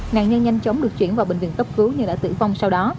nạn nhân nhanh chóng được chuyển vào bệnh viện cấp cứu nhưng đã tử vong sau đó